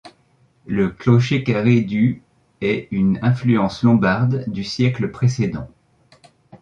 Le clocher carré du est d'une influence lombarde du siècle précédent.